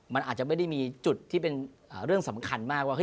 มันอาจจะไม่ได้มีจุดที่เป็นเรื่องสำคัญมากว่า